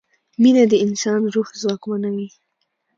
مینه د انسان روح ځواکمنوي.